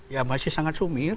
ya masih sangat sumir